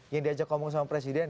yang diajak ngomong sama presiden